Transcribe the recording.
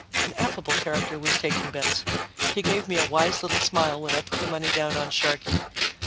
An affable character was taking bets. He gave me a wise little smile when I put the money down on Sharkey.